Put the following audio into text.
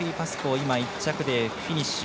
今、１着でフィニッシュ。